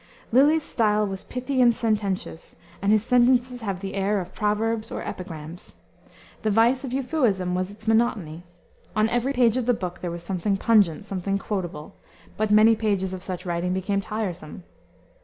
Lyly's style was pithy and sententious, and his sentences have the air of proverbs or epigrams. The vice of Euphuism was its monotony. On every page of the book there was something pungent, something quotable; but many pages of such writing became tiresome.